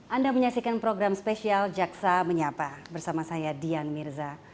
anda menyaksikan program spesial jaksa menyapa bersama saya dian mirza